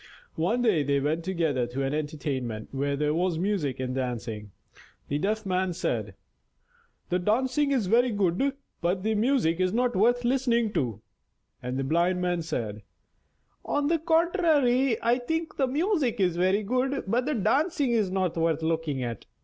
One day they went together to an entertainment where there was music and dancing. The Deaf Man said: "The dancing is very good, but the music is not worth listening to"; and the Blind Man said: "On the contrary, I think the music very good, but the dancing is not worth looking at."